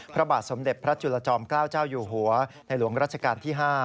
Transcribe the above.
พระบาทสมเด็จพระจุลจอมเกล้าเจ้าอยู่หัวในหลวงรัชกาลที่๕